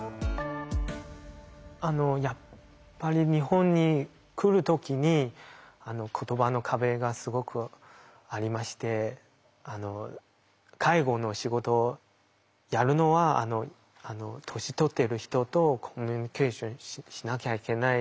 あのやっぱり日本に来る時に言葉の壁がすごくありまして介護の仕事やるのは年取ってる人とコミュニケーションしなきゃいけない。